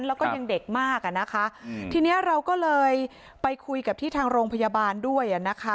แล้วก็ยังเด็กมากอ่ะนะคะทีนี้เราก็เลยไปคุยกับที่ทางโรงพยาบาลด้วยอ่ะนะคะ